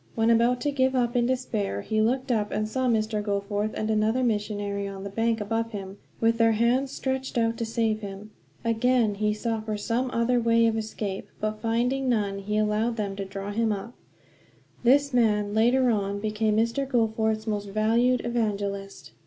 When about to give up in despair, he looked up and saw Mr. Goforth and another missionary on the bank above him, with their hands stretched out to save him. Again he sought for some other way of escape; but finding none, he allowed them to draw him up. This man, later on, became Mr. Goforth's most valued evangelist.